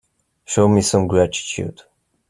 Show me some gratitude.